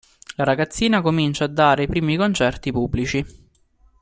La ragazzina comincia a dare i primi concerti pubblici.